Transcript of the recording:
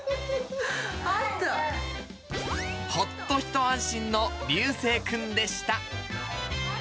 ほっと一安心のりゅうせいくんでした。